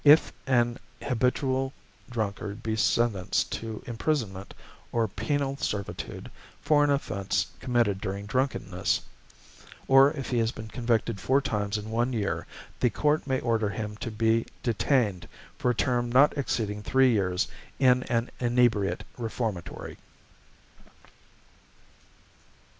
If an habitual drunkard be sentenced to imprisonment or penal servitude for an offence committed during drunkenness, or if he has been convicted four times in one year, the court may order him to be detained for a term not exceeding three years in an inebriate reformatory.